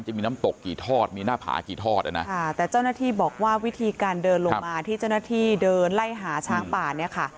จะมีน้ำตกกี่ทอดมีหน้าผากี่ทอดอ่ะนะค่ะแต่เจ้าหน้าที่บอกว่าวิธีการเดินลงมาที่เจ้าหน้าที่เดินไล่หาช้างป่าเนี่ยค่ะ